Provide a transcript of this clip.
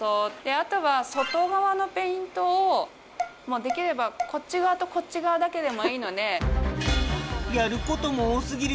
あとは外側のペイントをできればこっち側とこっち側だけでもいいので。